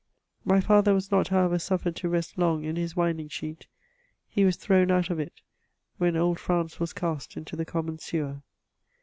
My father was not, however, suffered to rest loi^ in his winding sheet ; he was thrown out of it, when old France was cast into the common sewer.